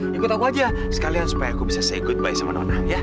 ikut aku aja sekalian supaya aku bisa say goodbye sama nona ya